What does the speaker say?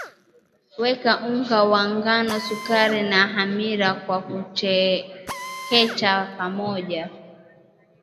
weka unga wa ngano sukari na hamira kwa kuchekecha pamoja